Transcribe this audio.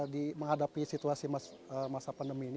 di menghadapi situasi masa pandemi ini